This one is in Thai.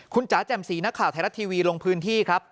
คุณจ๋าแจ่มสีนักข่าวไทยรัฐทีวีลงพื้นที่ครับ